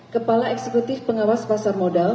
kepala eksekutif pengawas pasar modal